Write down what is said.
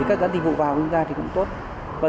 có hàm lượng hoặc cơ vệ cao